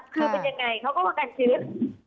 คือเป็นยังไงเขาก็ว่าการซื้อ